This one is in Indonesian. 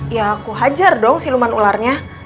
ya aku hajar dong siluman ularnya